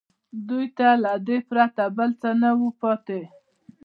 دوی ته له دې پرته بل څه نه وو پاتې